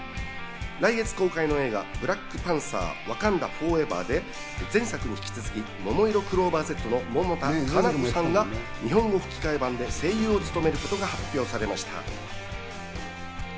来月公開の映画『ブラックパンサー／ワカンダ・フォーエバー』で、前作に引き続き、ももいろクローバーＺの百田夏菜子さんが日本語吹替版で声優を務めることが発表されました。